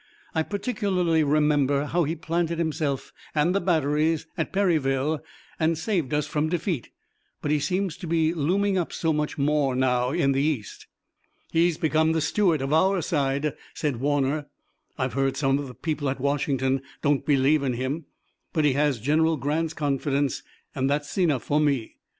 "I particularly remember how he planted himself and the batteries at Perryville and saved us from defeat, but he seems to be looming up so much more now in the East." "He's become the Stuart of our side," said Warner. "I've heard some of the people at Washington don't believe in him, but he has General Grant's confidence and that's enough for me.